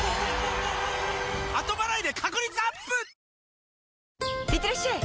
はぁいってらっしゃい！